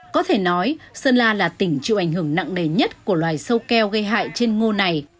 có thể nói sơn la là tỉnh chịu ảnh hưởng nặng nề nhất của loài sâu keo gây hại trên ngô này